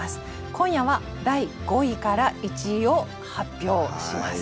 今夜は第５位から１位を発表します。